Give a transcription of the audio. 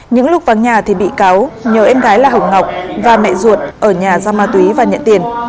những lúc vắng nhà thì bị cáo nhờ em gái là hồng ngọc và mẹ ruột ở nhà ra ma túy và nhận tiền